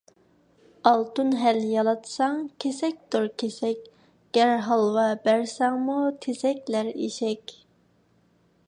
ئالتۇن ھەل يالاتساڭ كېسەكتۇر كېسەك، گەر ھالۋا بەرسەڭمۇ تېزەكلەر ئېشەك.